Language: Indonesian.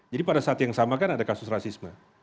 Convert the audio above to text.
jadi pada saat yang sama kan ada kasus rasisme